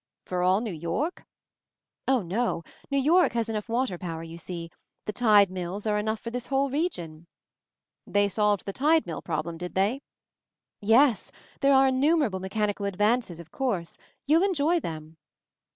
"For all New York?" "Oh, no. New York has enough water power, you see. The tide mills are enough for this whole region." "They solved the tide mill problem, did they?" "Yes. There are innumerable mechani cal advances, of course. You'll en j oy them."